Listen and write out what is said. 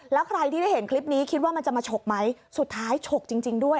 แล้วใครที่ได้เห็นคลิปนี้คิดว่ามันจะมาฉกไหมสุดท้ายฉกจริงด้วย